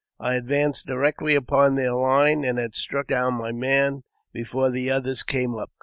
I advanced directly upon their line, and had struck down my man before the others came up.